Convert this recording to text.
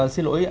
xin lỗi ạ